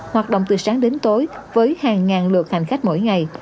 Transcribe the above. hoạt động từ sáng đến tối với hàng ngàn lượt hành khách mỗi ngày